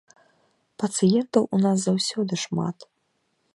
Пацыентаў у нас заўсёды шмат.